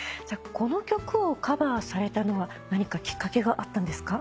この曲をカバーされたのは何かきっかけがあったんですか？